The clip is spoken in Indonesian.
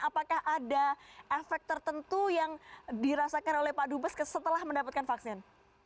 apakah ada efek tertentu yang dirasakan oleh pak dubes setelah mendapatkan vaksin